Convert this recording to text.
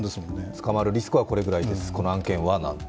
捕まるリスクはこのぐらいです、この案件はって。